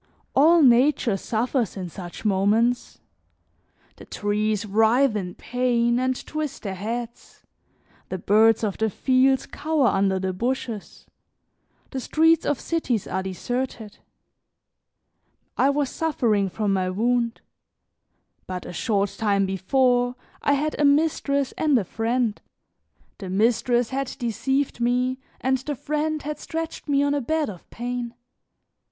All nature suffers in such moments; the trees writhe in pain and twist their heads; the birds of the fields cower under the bushes; the streets of cities are deserted. I was suffering from my wound. But a short time before I had a mistress and a friend. The mistress had deceived me and the friend had stretched me on a bed of pain.